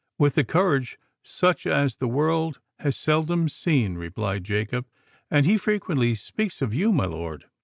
"With a courage such as the world has seldom seen," replied Jacob: "and he frequently speaks of you, my lord!"